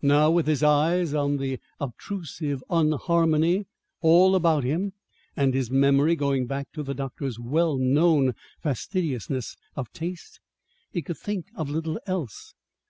Now, with his eyes on the obtrusive unharmony all about him, and his memory going back to the doctor's well known fastidiousness of taste, he could think of little else.